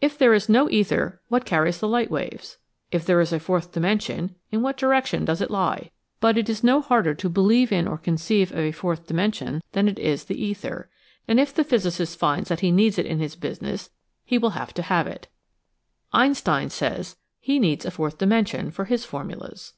If there is no ether what carries the light waves? If there is a fourth dimension in what direction does it lie ? But it is no harder to believe in or conceive of a fourth dimension than it is the ether, and if the physicist finds that he needs it in his business he will have to have it. Einstein says that he needs a fourth dimension for his formulas.